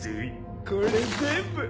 これ全部。